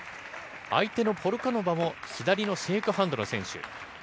相手のポルカノバも左のシェークハンドの選手。